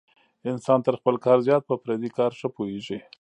انسان تر خپل کار زیات په پردي کار ښه پوهېږي.